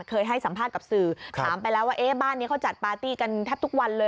เคยให้สัมภาษณ์กับสื่อถามไปแล้วว่าเอ๊ะบ้านนี้เขาจัดปาร์ตี้กันแทบทุกวันเลย